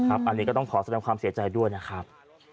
อันนี้ก็ต้องขอแสดงความเสียใจด้วยนะครับ